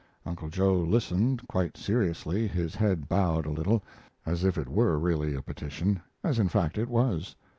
Uncle Joe listened quite seriously, his head bowed a little, as if it were really a petition, as in fact it was.